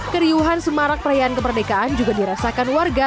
keriuhan semarak perayaan kemerdekaan juga dirasakan warga